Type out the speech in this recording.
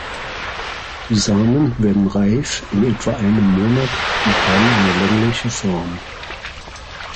Die Samen werden reif in etwa einem Monat und haben eine längliche Form.